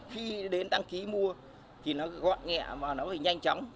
khi đến đăng ký mua thì nó gọn nghẹ và nó phải nhanh chóng